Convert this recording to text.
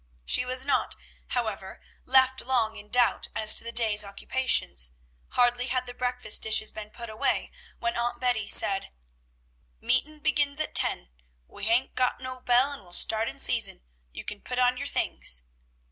She was not, however, left long in doubt as to the day's occupations. Hardly had the breakfast dishes been put away, when Aunt Betty said, "Meetin' begins at ten. We hain't got no bell, and we'll start in season. You can put on your things."